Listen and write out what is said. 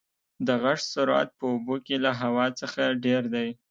د غږ سرعت په اوبو کې له هوا څخه ډېر دی.